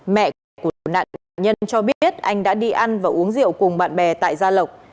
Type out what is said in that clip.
mẹ của nạn nhân cho biết anh đã đi ăn và uống rượu cùng bạn bè tại gia lộc